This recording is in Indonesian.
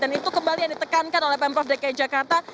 dan itu kembali yang ditekankan oleh pemprov dki jakarta